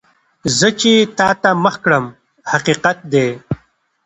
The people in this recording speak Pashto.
زه چې تا ته مخ کړم، حقیقت دی.